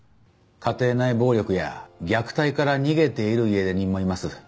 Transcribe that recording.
家庭内暴力や虐待から逃げている家出人もいます。